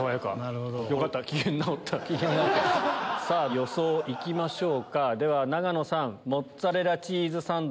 予想行きましょうか永野さん。